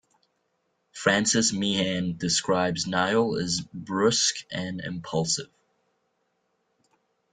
Francis Meehan describes Nyel as brusque and impulsive.